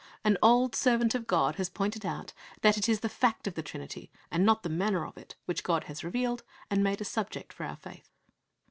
An old servant of God has pointed out that it is the fact of the Trinity, and not the manner of it, which God has revealed, and made a subject for our faith.